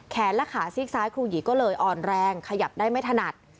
และขาซีกซ้ายครูหยีก็เลยอ่อนแรงขยับได้ไม่ถนัด